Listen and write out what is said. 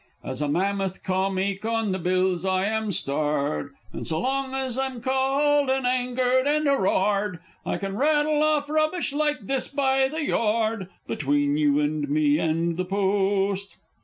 As a "Mammoth Comique" on the bills I am starred, And, so long as I'm called, and angcored, and hurrar'd, I can rattle off rubbish like this by the yard, Between you and me and the Post!